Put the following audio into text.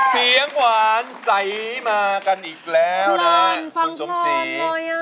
เสียงหวานใสมากันอีกแล้วนะคุณสมศรี